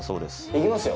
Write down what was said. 行きますよ？